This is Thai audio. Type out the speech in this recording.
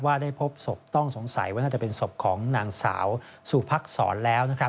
ได้พบศพต้องสงสัยว่าน่าจะเป็นศพของนางสาวสุพักษรแล้วนะครับ